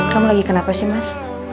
kamu lagi kenapa sih mas